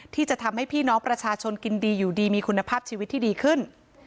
ที่จะทำให้พี่น้องประชาชนกินดีอยู่ดีมีคุณภาพชีวิตที่ดีขึ้น